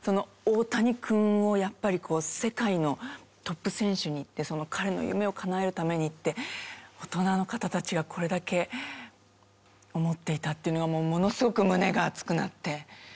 大谷君をやっぱり世界のトップ選手にって彼の夢をかなえるためにって大人の方たちがこれだけ思っていたっていうのがものすごく胸が熱くなって。